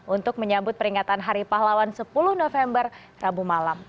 untuk menyambut peringatan hari pahlawan sepuluh november rabu malam